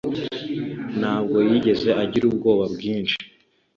Ntabwo yigeze agira ubwoba bwinshi